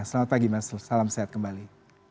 selamat pagi mas salam sehat kembali